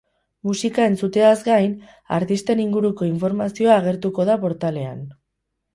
Musika entzuteaz gain, artisten inguruko informazioa agertuko da portalean.